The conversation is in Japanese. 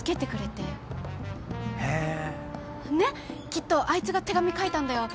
きっとあいつが手紙書いたんだよ。